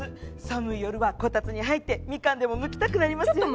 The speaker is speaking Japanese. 寒い夜はこたつに入ってみかんでもむきたくなりますよね。